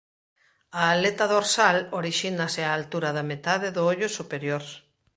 A aleta dorsal orixínase á altura da metade do ollo superior.